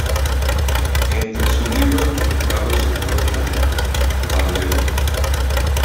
Entre sus libros publicados se cuentan: "Mal de ojo.